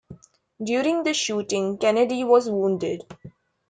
During the shooting, Kennedy was wounded.